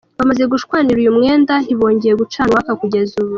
Bamaze gushwanira uyu mwenda ntibongeye gucana uwaka kugeza ubu.